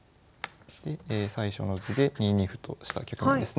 最初の図で２二歩とした局面ですね。